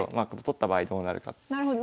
なるほど。